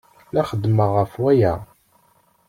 La xeddmeɣ ɣef waya.